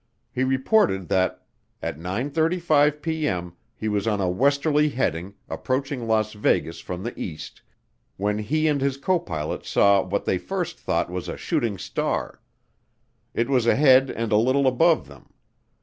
He reported that at 9:35P.M. he was on a westerly heading, approaching Las Vegas from the east, when he and his co pilot saw what they first thought was a "shooting star." It was ahead and a little above them.